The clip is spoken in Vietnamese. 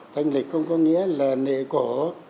thanh lịch không có nghĩa là nệ cổ